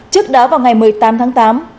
trước đó vào ngày một mươi tám tháng tám